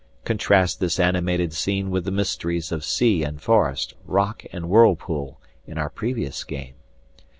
Contrast this animated scene with the mysteries of sea and forest, rock and whirlpool, in our previous game.